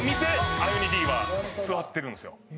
アユニ・Ｄは座ってるんですよ。